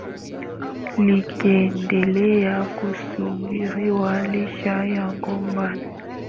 likiendelea kusubiriwa licha ya mgombea mmoja